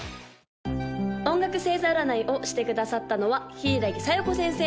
・音楽星座占いをしてくださったのは柊小夜子先生！